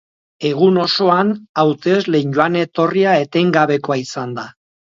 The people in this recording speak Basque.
Egun osoan hautesleen joan-etorria etengabekoa izan da.